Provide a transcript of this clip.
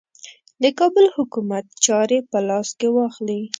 د کابل حکومت چاري په لاس کې واخلي.